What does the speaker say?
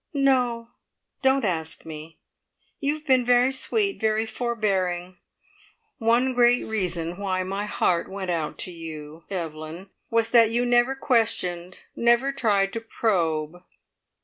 "No! Don't ask me! You have been very sweet, very forbearing. One great reason why my heart went out to you, Evelyn, was that you never questioned, never tried to probe.